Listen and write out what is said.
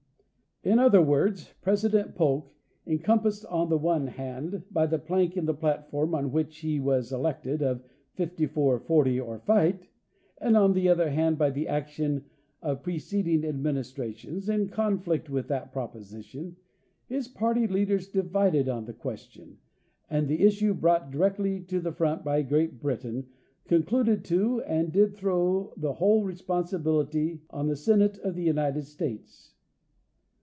'"' In other words, President Polk, encompassed on the one hand by the plank in the platform on which he was elected, of " Fifty four forty or fight," and on the other hand by the action of pre ceding administrations in conflict with that proposition, his party leaders divided on the question, and the issue brought directly to the front by Great Britain, concluded to and did throw the whole responsibility on the Senate of the United States.